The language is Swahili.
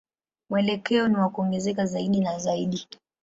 Mwelekeo ni wa kuongezeka zaidi na zaidi.